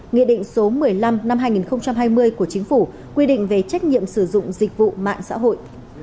nghị định số một mươi năm năm hai nghìn hai mươi của chính phủ quy định về trách nhiệm sử dụng dịch vụ mạng xã hội